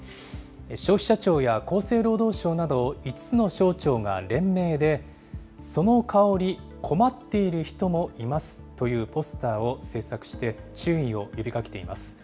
消費者庁や厚生労働省など、５つの省庁が連名で、その香り困っている人もいますというポスターを制作して、注意を呼びかけています。